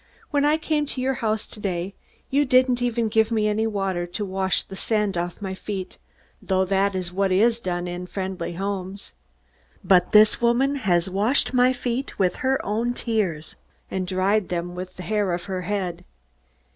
When I came to your house today, you didn't even give me any water to wash the sand off my feet, though that is what is done in friendly homes. But this woman has washed my feet with her own tears, and dried them with the hair of her head.